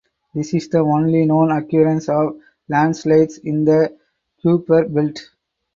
This is the only known occurrence of landslides in the Kuiper Belt.